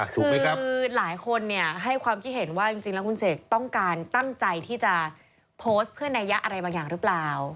คือหลายคนให้ความคิดเห็นว่าจริงแล้วคุณเสกต้องการตั้งใจที่จะโพสต์เพื่อนนัยยะอะไรบางอย่างหรือเปล่า